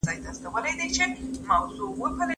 زه به اوږده موده ښوونځی ته تللی وم!.